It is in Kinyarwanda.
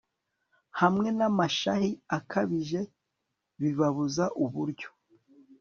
hamwe n'amashahi akabije bibabuza uburyo